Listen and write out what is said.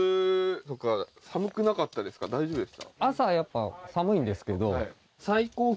大丈夫でした？